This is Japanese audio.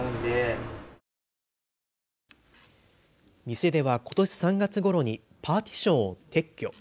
店ではことし３月ごろにパーティションを撤去。